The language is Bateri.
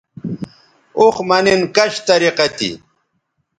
اوخ مہ نِن کش طریقہ تھی